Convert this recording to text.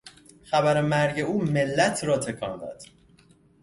خبر مرگ او ملت را تکان داد.